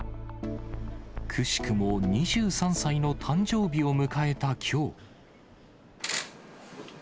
くしくも２３歳の誕生日を迎えたきょう。